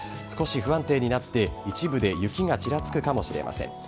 少し不安定になって、一部で雪がちらつくかもしれません。